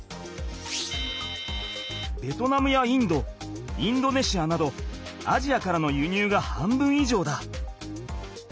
ベトナムやインドインドネシアなどアジアからの輸入が半分いじょうだ。